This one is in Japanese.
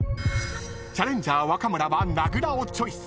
［チャレンジャー若村は名倉をチョイス］